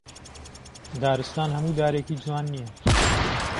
دارستان هەموو دارێکی جوان نییە